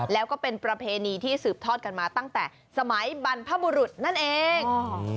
แล้วก็เป็นประเพณีที่สืบทอดกันมาตั้งแต่สมัยบรรพบุรุษนั่นเอง